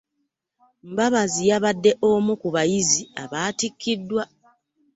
Mbabazi y'abadde omu ku bayizi abaatikkiddwa